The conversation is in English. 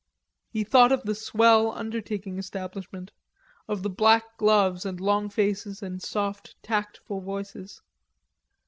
He thought of the swell undertaking establishment, of the black gloves and long faces and soft tactful voices.